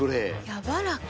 やわらか。